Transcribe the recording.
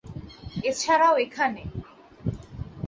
এছাড়াও এখানে।